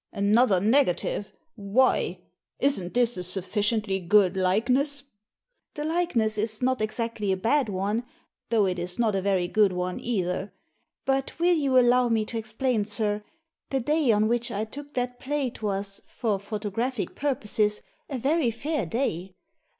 "Another negative! Why? Isn't this a suffici ently good likeness?" " The likeness is not exactly a bad one, though it is not a very good one, either. But will you allow me to explain, sir? The day on which I took that plate was, for photographic purposes, a very fair day.